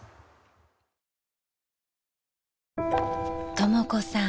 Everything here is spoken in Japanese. ［とも子さん